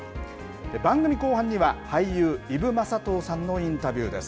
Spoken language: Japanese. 番組後半には、俳優、伊武雅刀さんのインタビューです。